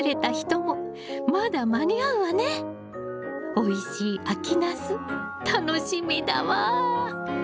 おいしい秋ナス楽しみだわ。